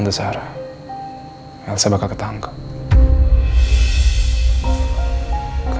jadi apa yang kalian semua pikirkan sama dick